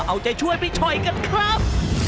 เอาใจช่วยไปชอยกันครับ